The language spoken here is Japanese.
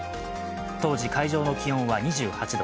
当時、会場の気温は２８度。